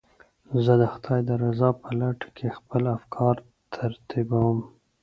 زه د خدای د رضا په لټه کې خپل افکار ترتیبوم.